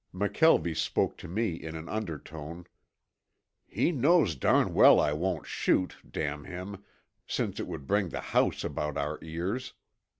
McKelvie spoke to me in an undertone. "He knows darn well I won't shoot, damn him, since it would bring the house about our ears.